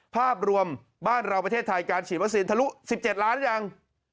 ภาพรวมบ้านเราประเทศไทยการฉีดวัคซีนทะลุ๑๗ล้านยัง